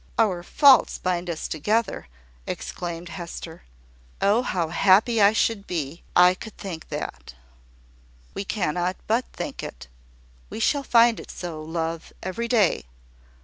"Our faults bind us together!" exclaimed Hester. "Oh how happy I should be, if I could think that!" "We cannot but think it. We shall find it so, love, every day.